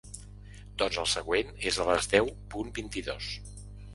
Doncs el següent és a les deu punt vint-i-dos.